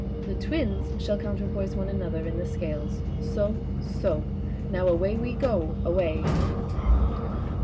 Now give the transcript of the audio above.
The Twins shall counterpoise one another in the Scales. So, so. Now away we go, away."